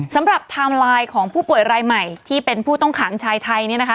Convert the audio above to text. ไทม์ไลน์ของผู้ป่วยรายใหม่ที่เป็นผู้ต้องขังชายไทย